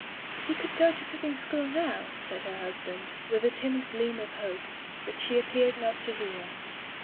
"You could go to cooking school now," said her husband, with a timid gleam of hope, but she appeared not to hear.